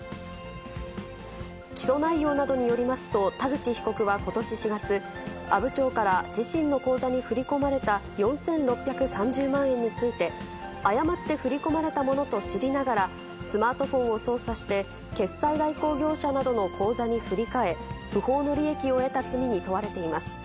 起訴内容などによりますと、田口被告はことし４月、阿武町から自身の口座に振り込まれた４６３０万円について、誤って振り込まれたものと知りながら、スマートフォンを操作して、決済代行業者などの口座に振り替え、不法の利益を受けた罪に問われています。